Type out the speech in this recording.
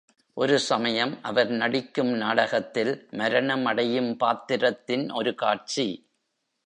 ஒரு சமயம், அவர் நடிக்கும் நாடகத்தில், மரணம் அடையும் பாத்திரத்தின் ஒரு காட்சி!